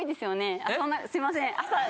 すいません。